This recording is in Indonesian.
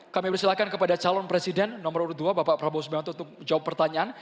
kami persilahkan kepada calon presiden nomor dua bapak prabowo subianto untuk menjawab pertanyaan